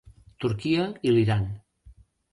Turquia i l'Iran.